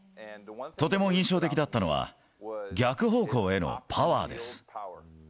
とても印象的だったのは、逆方向へのパワーです。